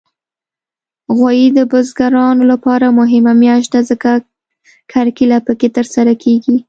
غویی د بزګرانو لپاره مهمه میاشت ده، ځکه کرکیله پکې ترسره کېږي.